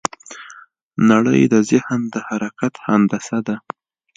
نړۍ د ذهن د حرکت هندسه ده.